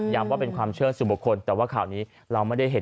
ย้ำว่าเป็นความเชื่อสุบค้นแต่ว่าคราวนี้เราไม่ได้เห็น